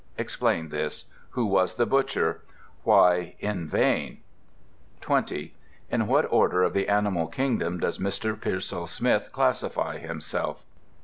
Explain this. Who was the butcher? Why "in vain"? 20. In what order of the Animal Kingdom does Mr. Pearsall Smith classify himself?